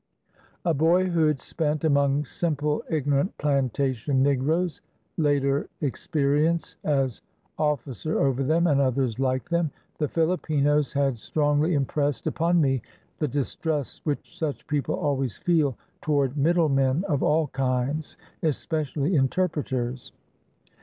A boyhood spent among simple, ignorant plantation negroes, later experience as officer over them and others like them, the FiHpinos, had strongly impressed upon me the distrust which such people always feel toward middlemen of all kinds, especially interpreters.